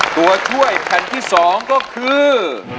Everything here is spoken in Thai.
ตัวช่วยแผ่นที่๒ก็คือ